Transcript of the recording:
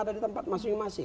hari ini ke sonra lagi